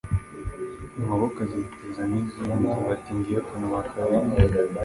Inkokokazi iteteza nk’izindi bati ngiyo kanwa kabi